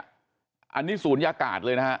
อันนี้ศูนย์ยากกาศเลยนะครับ